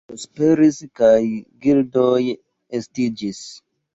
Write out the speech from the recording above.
Ĝi prosperis, kaj gildoj estiĝis.